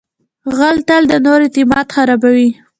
غل تل د نورو اعتماد خرابوي